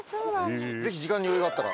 ぜひ時間に余裕があったら。